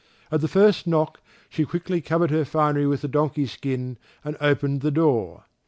At the first knock she quickly covered her finery with the donkey skin and opened the door.